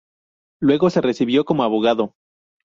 Luego se recibió como abogado.